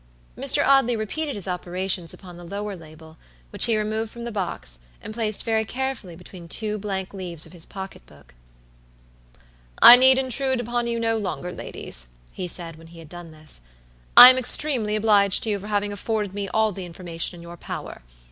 Mr. Audley repeated his operations upon the lower label, which he removed from the box, and placed very carefully between two blank leaves of his pocket book. "I need intrude upon you no longer, ladies," he said, when he had done this. "I am extremely obliged to you for having afforded me all the information in your power.